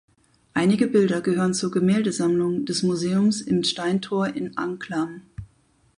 Einige Bilder gehören zur Gemäldesammlung des Museums im Steintor in Anklam.